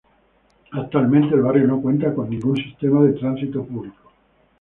Actualmente el barrio no cuenta con ningún sistema de tránsito público.